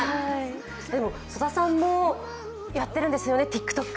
でも曽田さんもやってるんですよね、ＴｉｋＴｏｋ。